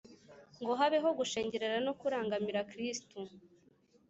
ngo habeho gushengerera no kurangamira kristu